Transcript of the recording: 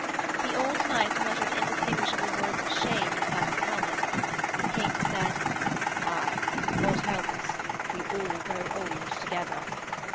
The old knight muttered indistinguishable words of shame inside his helmet; the King said: 'Ay, God help us, we all grow old together!'